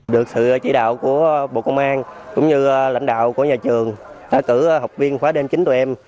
được sự chỉ đạo của bộ công an cũng như lãnh đạo của nhà trường đã cử học viên khóa đêm chính tụi em